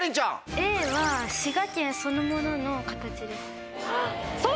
Ａは滋賀県そのものの形です。